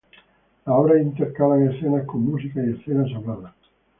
Las obras intercalan escenas con música y escenas habladas.